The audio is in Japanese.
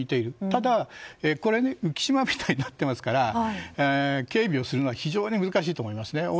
ただ、浮き島みたいになっていますから警備をするのは非常に難しいと思いますね。